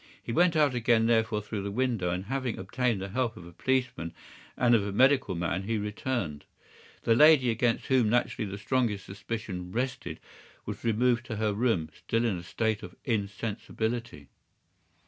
He went out again, therefore, through the window, and having obtained the help of a policeman and of a medical man, he returned. The lady, against whom naturally the strongest suspicion rested, was removed to her room, still in a state of insensibility.